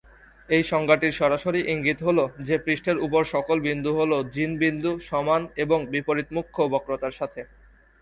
এই সংজ্ঞা টির সরাসরি ইঙ্গিত হলো যে পৃষ্ঠের উপর সকল বিন্দু হলো জিন বিন্দু, সমান এবং বিপরীত মুখ্য বক্রতার সাথে।